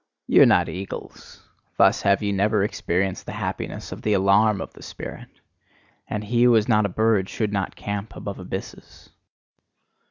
Ye are not eagles: thus have ye never experienced the happiness of the alarm of the spirit. And he who is not a bird should not camp above abysses.